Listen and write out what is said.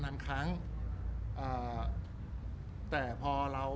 รูปนั้นผมก็เป็นคนถ่ายเองเคลียร์กับเรา